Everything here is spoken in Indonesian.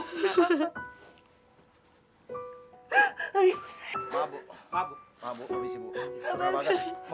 erlebt me daftar padamu